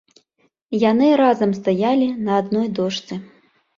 Яны разам стаялі на адной дошцы.